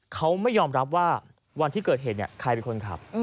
เขาไม่ยอมรับว่าวันที่เกิดเหตุใครเป็นคนขับ